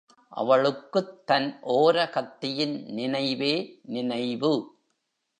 அவளுக்குத் தன் ஓரகத்தியின் நினைவே நினைவு.